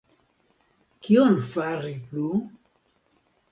Kion fari plu?